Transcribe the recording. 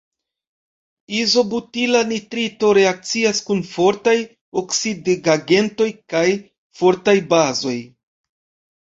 Izobutila nitrito reakcias kun fortaj oksidigagentoj kaj fortaj bazoj.